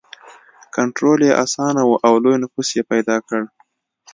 کنټرول یې اسانه و او لوی نفوس یې پیدا کړ.